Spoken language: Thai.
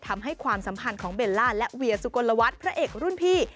ทำให้ความสัมพันธ์ของเบลล่าและเวียสุโกนละวัดพระเอกรุ่นพี่